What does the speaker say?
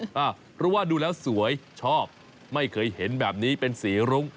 เพราะว่าดูแล้วสวยชอบไม่เคยเห็นแบบนี้เป็นสีรุ้ง